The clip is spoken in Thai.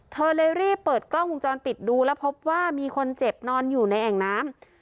เธอเลยรีบเปิดกล้องวงจรปิดดูแล้วพบว่ามีคนเจ็บนอนอยู่ในแอ่งน้ำ